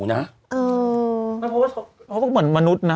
เพราะว่าเขาก็เหมือนมนุษย์นะ